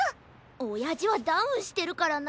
おやじはダウンしてるからな。